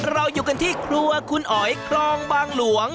เราอยู่กันที่ครัวคุณอ๋อยคลองบางหลวง